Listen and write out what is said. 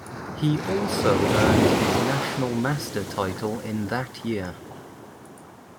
He also earned his National Master title in that year.